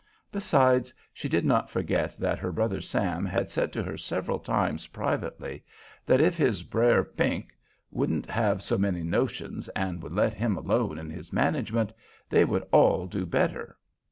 Besides, she did not forget that her brother Sam had said to her several times privately that if his brer Pink wouldn't have so many notions and would let him alone in his management, they would all do better.